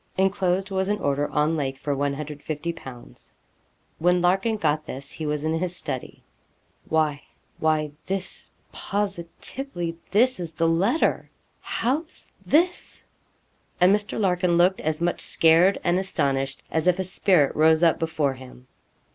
Enclosed was an order on Lake for 150_l._ When Larkin got this he was in his study. 'Why why this positively this is the letter. How's this?' And Mr. Larkin looked as much scared and astonished as if a spirit rose up before him.